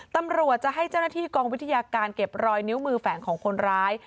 ตำรวจจะให้เจ้าหน้าที่กองวิทยาการเก็บรอยนิ้วมือแฝงของคนร้าย